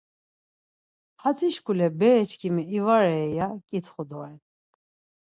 Hatzi şkule bereçkimi ivarei, ya ǩitxu doren.